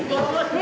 え